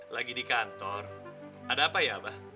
lagi di kantor ada apa ya abah